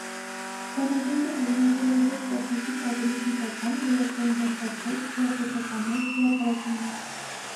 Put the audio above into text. Բանագետը հեղինակել է վեց տասնյակից ավելի գիտական, լրագրային հոդվածներ, գրախոսականներ, հրապարակումներ։